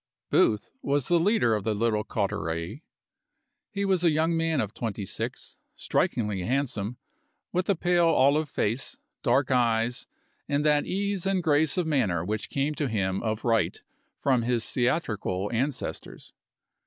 Booth was the leader of the little coterie. He was a young man of twenty six, strikingly hand some, with a pale olive face, dark eyes, and that ease and grace of manner which came to him of right from his theatrical ancestors.